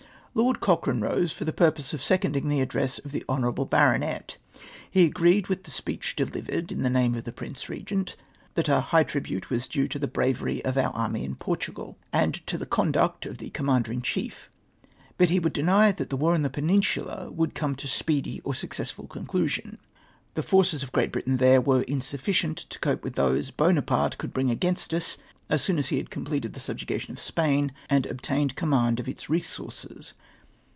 Lord Cochrane rose for the purpose of seconding the address of the lionoiuable baronet. He agreed with the speech delivered in the name of the Prince Regent, that a high tribute was due to the bravery of our arnny in Portugal, 218 EMrLOYMENT OF THE NAVY. and to tlie conduct of the Commander in Chief, hnt he would deny that tlie war in tlie Peninsula would come to speedy or successful conclusion. The forces of Great Britain there were insufficient to cope with those Buonaparte could Lring against us as soon as he had completed the sulyugation of Spain and obtained command of its resources.